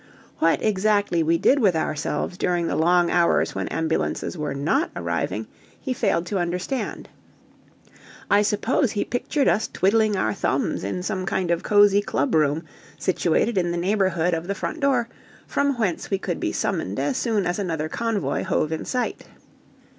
What, exactly, we did with ourselves during the long hours when ambulances were not arriving, he failed to understand. I suppose he pictured us twiddling our thumbs in some kind of cosy club room situated in the neighbourhood of the front door, from whence we could be summoned as soon as another convoy hove in sight.